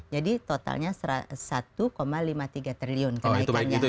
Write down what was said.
jadi totalnya rp satu lima puluh tiga triliun kenaikannya